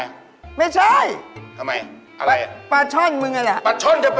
โอ้ยไม่ให้เคยอีกไว้เดี๋ยวครับ